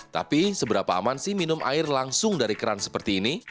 tapi seberapa aman sih minum air langsung dari keran seperti ini